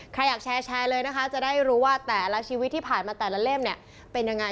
ใครอยากแชร์เลยนะคะจะได้รู้ว่าแต่ละชีวิตที่ผ่านมาแต่ละเล่มเนี่ยเป็นยังไง